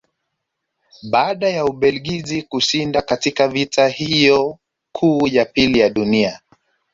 Baada ya Ubelgiji kushindwa katika vita hiyo kuu ya pili ya Dunia